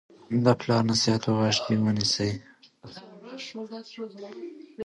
د پلار نصیحت په غوږ کې ونیسئ.